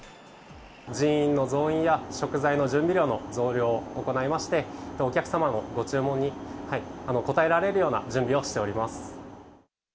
人員の増員や、食材の準備量の増量を行いまして、お客様のご注文に応えられるような準備をしております。